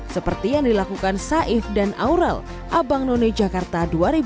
seperti yang dilakukan saif dan aurel abang none jakarta dua ribu dua puluh